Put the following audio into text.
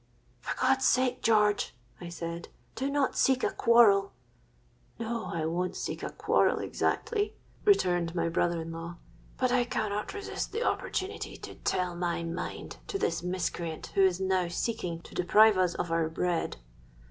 '—'For God's sake, George,' I said, 'do not seek a quarrel.'—'No, I won't seek a quarrel exactly,' returned my brother in law; 'but I cannot resist the opportunity to tell my mind to this miscreant who is now seeking to deprive us of our bread.'